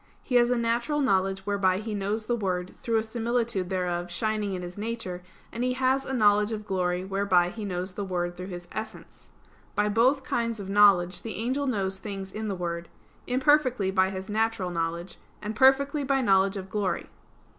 He has a natural knowledge whereby he knows the Word through a similitude thereof shining in his nature; and he has a knowledge of glory whereby he knows the Word through His essence. By both kinds of knowledge the angel knows things in the Word; imperfectly by his natural knowledge, and perfectly by his knowledge of glory.